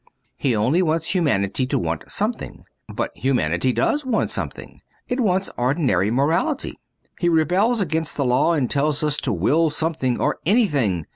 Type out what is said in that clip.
He only wants humanity to want something. But humanity does want something. It wants ordinary morality. He rebels against the law and tells us to will something or anything.